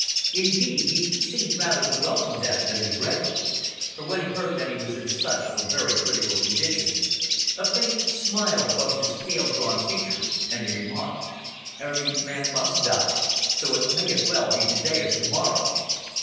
Indeed, he seemed rather to welcome death than to dread it, for, when he heard that he was in such a very critical condition, a faint smile crossed his pale, drawn features, and he remarked "Every man must die, so it may as well be to day as to morrow."